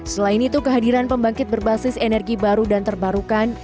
selain itu kehadiran pembangkit berbasis energi baru dan terbarukan